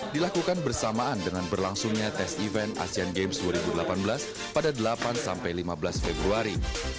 dilakukan bersamaan dengan berlangsungnya tes event asian games dua ribu delapan belas pada delapan lima belas februari